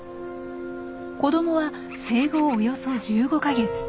子どもは生後およそ１５か月。